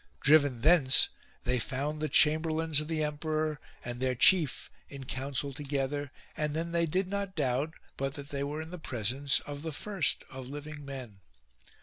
Driven thence they found the chamberlains of the emperor and their chief in council together ; and then they did not doubt but that they were in the presence of the first of living men.